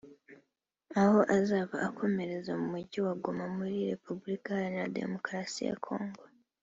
aho azava akomereza mu mujyi wa Goma muri Repubulika Iharanira Demokarasi ya Congo